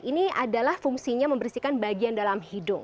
ini adalah fungsinya membersihkan bagian dalam hidung